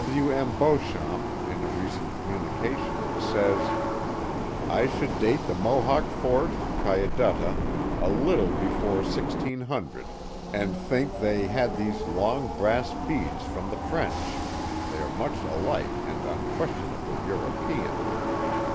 W. M. Beauchamp, in a recent communication, says: I should date the Mohawk Fort (Cayudutta) a little be fore i6co, and think they had these long brass beads from the French, they are much alike and unquestionably Euro pean.